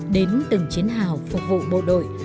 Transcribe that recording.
đến từng chiến hào phục vụ bộ đội